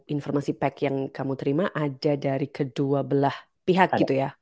informasi pack yang kamu terima ada dari kedua belah pihak gitu ya